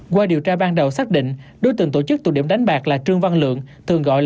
theo điều tra ban đầu xác định đối tượng tổ chức tụ điểm đánh bạc là trương văn lượng